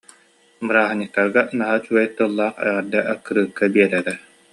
Бырааһынньыктарга наһаа үчүгэй тыллаах эҕэрдэ аккырыыкка биэрэрэ